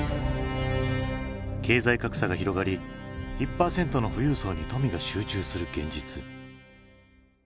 経済格差が広がり１％の富裕層に富が集中する現実。